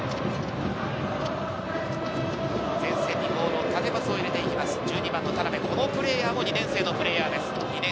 前線にボール、縦パスを入れていきます、１２番の田辺、このプレーヤーも２年生です。